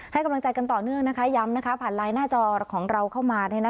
ให้กำลังใจกันต่อเนื่องนะคะย้ำผ่านไลน์หน้าจอของเราเข้ามา